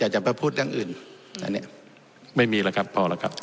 จะไปพูดเรื่องอื่นอันนี้ไม่มีแล้วครับพอแล้วครับ